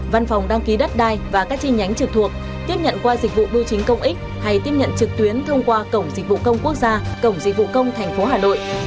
văn phòng đăng ký đất đai và các chi nhánh trực thuộc tiếp nhận qua dịch vụ bưu chính công ích hay tiếp nhận trực tuyến thông qua cổng dịch vụ công quốc gia cổng dịch vụ công tp hà nội